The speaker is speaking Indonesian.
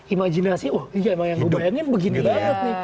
imajinasi wah iya emang yang gue bayangin begini banget nih